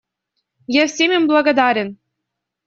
Я всем им благодарен.